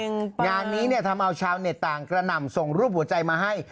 งานนี้เนี่ยทำเอาชาวเน็ตต่างกระหน่ำส่งรูปหัวใจมาให้